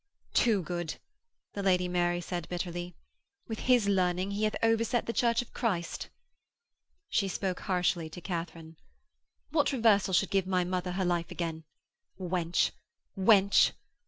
'Too good!' the Lady Mary said bitterly. 'With his learning he hath overset the Church of Christ.' She spoke harshly to Katharine: 'What reversal should give my mother her life again? Wench! Wench!...'